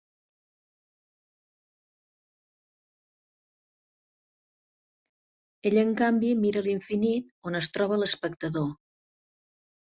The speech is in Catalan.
Ell en canvi mira a l'infinit, on es troba l'espectador.